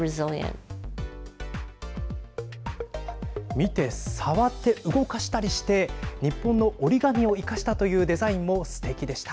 見て触って動かしたりして日本の折り紙を生かしたというデザインもすてきでした。